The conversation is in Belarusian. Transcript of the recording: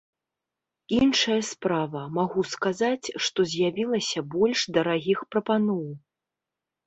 Іншая справа, магу сказаць, што з'явілася больш дарагіх прапаноў.